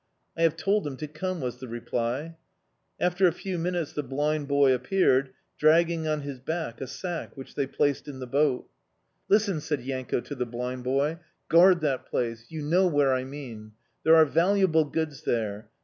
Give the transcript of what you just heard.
"I have told him to come," was the reply. After a few minutes the blind boy appeared, dragging on his back a sack, which they placed in the boat. "Listen!" said Yanko to the blind boy. "Guard that place! You know where I mean? There are valuable goods there.